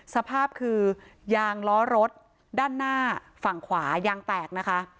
สภาพคือยางล้อรถด้านหน้าฝั่งขวายางแตกนะคะ